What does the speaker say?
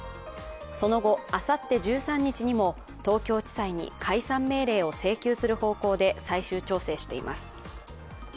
その後、あさって１３日にも東京地裁に解散命令を請求する方向で最終調整しています。